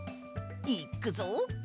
いっくぞ。